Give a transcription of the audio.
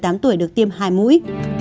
hà nội đã được tiêm hai mũi